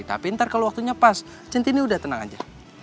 tapi ntar kalau waktunya pas centini udah tenang aja